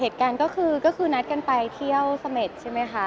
เหตุการณ์ก็คือนัดกันไปเที่ยวสเมษใช่มั้ยคะ